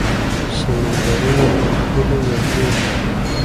سمندرونه او پولې یادېږي.